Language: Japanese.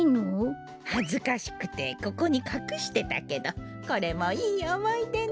はずかしくてここにかくしてたけどこれもいいおもいでね。